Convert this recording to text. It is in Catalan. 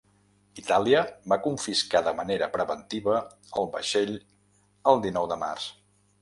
Itàlia va confiscar de manera preventiva el vaixell el dinou de març.